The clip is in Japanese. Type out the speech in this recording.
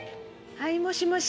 はいもしもし。